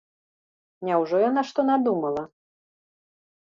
Няўжо яна што надумала?